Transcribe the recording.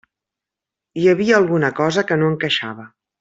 Hi havia alguna cosa que no encaixava.